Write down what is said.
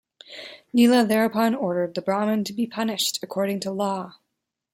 Nila thereupon ordered the Brahman to be punished according to law.